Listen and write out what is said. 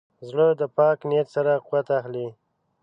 زړه د پاک نیت سره قوت اخلي.